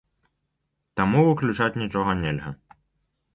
Таму выключаць нічога нельга.